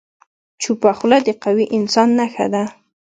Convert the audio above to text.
چپه خوله، د قوي انسان نښه ده.